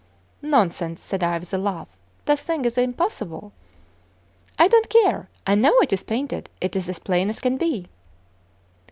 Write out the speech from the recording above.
"Nonsense!" said I, with a laugh; "the thing is impossible!" "I don't care, I know it is painted; it is as plain as can be."